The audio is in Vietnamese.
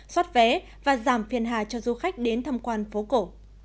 xót vé và giảm phiền hà cho du khách đến thăm quan phố cổ